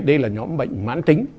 đây là nhóm bệnh mãn tính